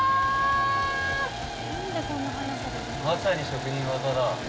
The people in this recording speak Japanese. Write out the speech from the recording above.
まさに職人技だ。